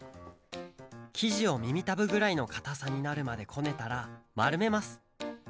きじをみみたぶぐらいのかたさになるまでこねたらまるめます